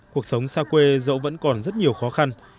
cuộc sống xa quê dẫu vẫn còn rất nhiều khó khăn